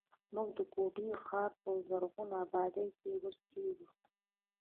موږ د کوټي ښار په زرغون آباد کښې اوسېږو